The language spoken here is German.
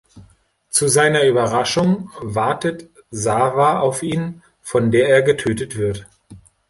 Zu seiner Überraschung wartet Sawa auf ihn, von der er getötet wird.